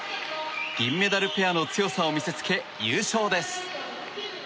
銀メダルペアの強さを見せつけ優勝です！